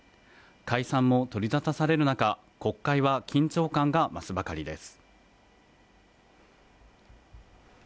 解散も取り沙汰される中、国会は緊張感が増すばかりです。